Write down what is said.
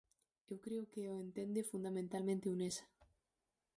Eu creo que o entende fundamentalmente Unesa.